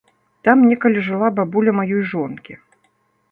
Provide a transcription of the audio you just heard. Там некалі жыла бабуля маёй жонкі.